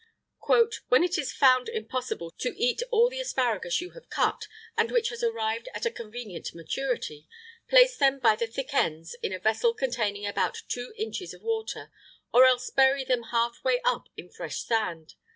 [IX 55] "When it is found impossible to eat all the asparagus you have cut, and which has arrived at a convenient maturity, place them by the thick ends in a vessel containing about two inches of water; or else, bury them half way up in fresh sand.